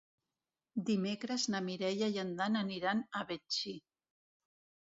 Dimecres na Mireia i en Dan aniran a Betxí.